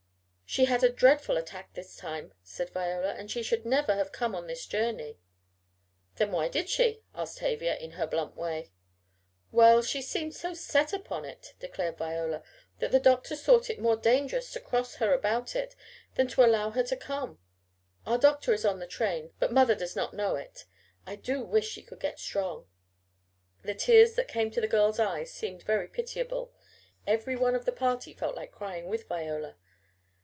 "She had a dreadful attack this time," said Viola, "and she should never have come on this journey." "Then why did she?" asked Tavia, in her blunt way. "Well, she seemed so set upon it," declared Viola, "that the doctors thought it more dangerous to cross her about it than to allow her to come. Our doctor is on the train, but mother does not know it. I do wish she could get strong!" The tears that came to the girl's eyes seemed very pitiable every one of the party felt like crying with Viola.